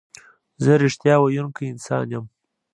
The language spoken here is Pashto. زه رښتیا ویونکی انسان یم.